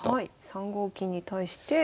３五金に対して。